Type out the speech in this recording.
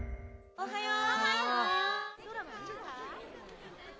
・おはよう！